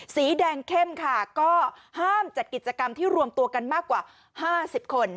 สีแดงเข้มค่ะก็ห้ามจัดกิจกรรมที่รวมตัวกันมากกว่า๕๐คน